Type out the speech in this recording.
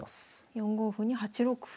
４五歩に８六歩。